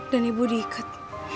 dan ibu diikat